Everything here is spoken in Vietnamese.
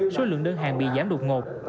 số lượng đơn hàng bị giảm đột ngột